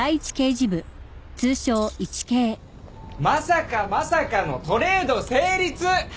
まさかまさかのトレード成立！